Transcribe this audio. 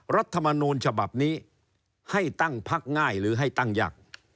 รัฐมนูลฉบับนี้ให้ตั้งพักง่ายหรือให้ตั้งยาก